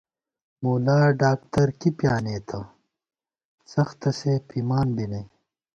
ملا ڈاکتر کی پیانېتہ ، څَختہ سے پِمان بی نئ